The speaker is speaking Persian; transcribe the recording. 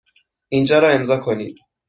اینجا را امضا کنید.